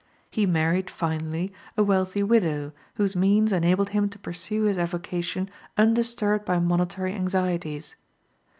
He married, finally, a wealthy widow whose means enabled him to pursue his avocation undisturbed by monetary anxieties.